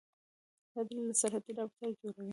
دا ډلې له سلطې رابطه جوړوي